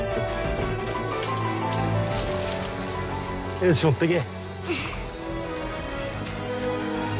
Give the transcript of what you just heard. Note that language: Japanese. よし持ってけ。